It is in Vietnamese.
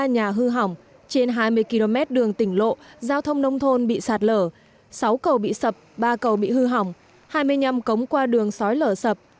ba nhà hư hỏng trên hai mươi km đường tỉnh lộ giao thông nông thôn bị sạt lở sáu cầu bị sập ba cầu bị hư hỏng hai mươi năm cống qua đường sói lở sập